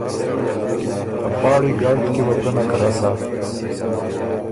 ته پاړی ګړد کی وه بو ګۀ نک رسا۔